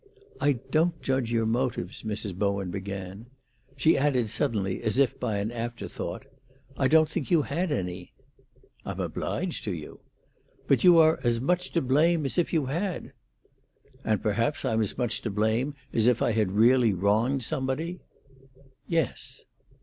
"I don't judge your motives," Mrs. Bowen began. She added suddenly, as if by an after thought, "I don't think you had any." "I'm obliged to you." "But you are as much to blame as if you had." "And perhaps I'm as much to blame as if I had really wronged somebody?" "Yes."